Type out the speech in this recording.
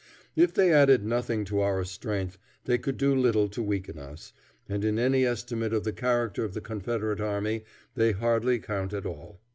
If they added nothing to our strength, they could do little to weaken us, and in any estimate of the character of the Confederate army they hardly count at all.